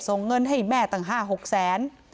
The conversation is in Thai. ส่งเงินให้แม่ต่างห้าหกแสน